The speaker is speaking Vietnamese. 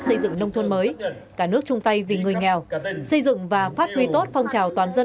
xây dựng nông thôn mới cả nước chung tay vì người nghèo xây dựng và phát huy tốt phong trào toàn dân